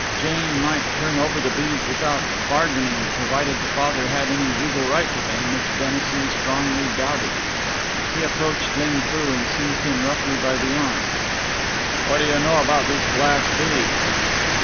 Jane might turn over the beads without bargaining, provided the father had any legal right to them, which Dennison strongly doubted. He approached Ling Foo and seized him roughly by the arm. "What do you know about these glass beads?"